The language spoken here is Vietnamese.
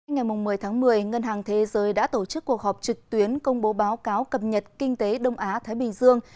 ngày một mươi tháng một mươi ngân hàng thế giới đã tổ chức cuộc họp trực tuyến công bố báo cáo cập nhật kinh tế đông á thái bình dương